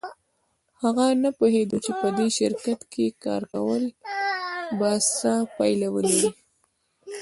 هغه نه پوهېده چې په دې شرکت کې کار کول به څه پایله ولري